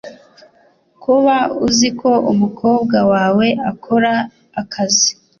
kuba uzi ko umukobwa wawe akora akazi